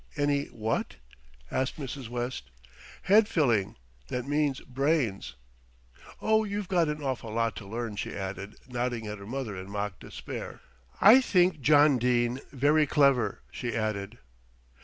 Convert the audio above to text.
"Any what?" asked Mrs. West. "Head filling, that means brains. Oh, you've got an awful lot to learn," she added, nodding at her mother in mock despair. "I think John Dene very clever," she added.